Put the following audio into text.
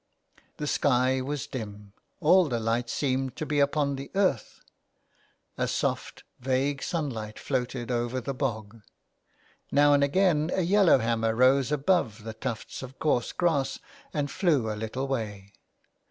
The sky was dim ; all the light seemed to be upon the earth ; a soft, vague sunlight floated over the bog. Now and again a yellow hammer rose above the tufts of coarse grass and flew a little way.